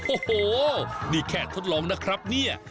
โอ้โหนี่แค่ทดลองนะครับเนี่ย